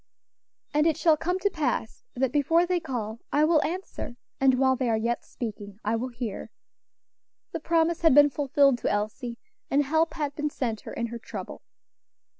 "And it shall come to pass, that before they call, I will answer, and while they are yet speaking, I will hear." The promise had been fulfilled to Elsie, and help had been sent her in her trouble.